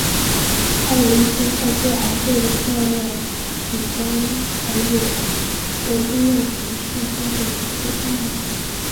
它有一些在最昂贵的天文软体中才有的应用程式中的许多功能。